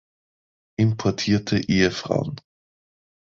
Importierte Ehefrauen.